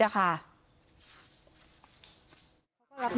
ก็รักแม่เราดี